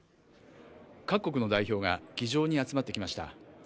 各国の代表が議場に集まってきました。